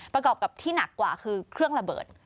ประกอบกับที่หนักกว่าคือเครื่องระเบิด